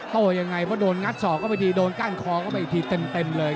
โต้ยังไงเพราะโดนงัดศอกเข้าไปทีโดนก้านคอเข้าไปอีกทีเต็มเลย